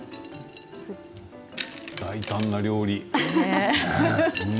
大胆な料理。